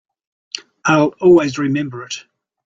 I'll always remember it.